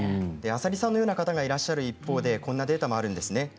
麻里さんのような方がいる一方でこんなデータもあるんですね